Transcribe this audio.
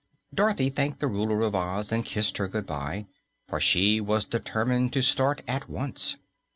Dorothy thanked the Ruler of Oz and kissed her good bye, for she was determined to start at once.